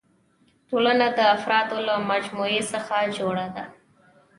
ټولنه د افرادو له مجموعي څخه جوړه ده.